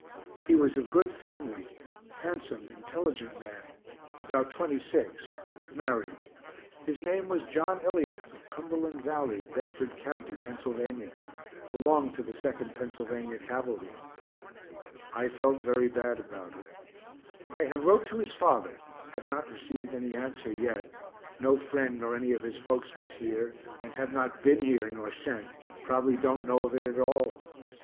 He was of good family handsome, intelligent man, about 26, married; his name was John Elliot, of Cumberland Valley, Bedford co., Penn. belonged to 2nd Pennsylvania Cavalry. I felt very bad about it. I have wrote to his father have not received any answer yet; no friend nor any of his folks was here, and have not been here nor sent probably don't know of it at all.